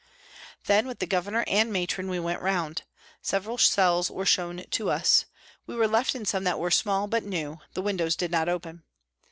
Then, with the Governor and Matron, we went round. Several cells were shown to us. We were left in some that were small but new the windows did not open.